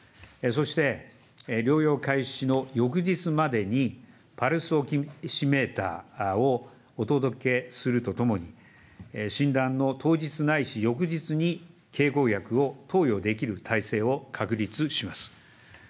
そして療養開始の翌日までに、パルスオキシメーターをお届けするとともに、診断の当日ないし翌日に経口薬を投与できる体制を確立します。